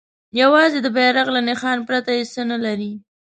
یوازې د بیرغ له نښان پرته یې څه نه لري.